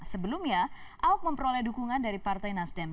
sebelumnya ahok memperoleh dukungan dari partai nasdem